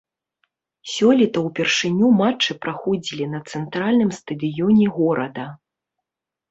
Сёлета ўпершыню матчы праходзілі на цэнтральным стадыёне горада.